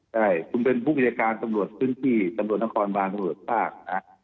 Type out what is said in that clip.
ใช่คุณเป็นผู้บริการตำรวจพื้นที่ตำรวจนครบานตำรวจภาคนะ